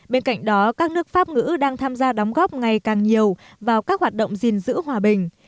bên cạnh đó các nước pháp ngữ đang tham gia đóng góp ngày càng nhiều vào các hoạt động gìn giữ hòa bình